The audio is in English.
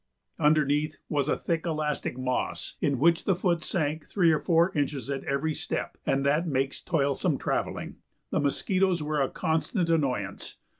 Underneath was a thick elastic moss in which the foot sank three or four inches at every step and that makes toilsome travelling. The mosquitoes were a constant annoyance.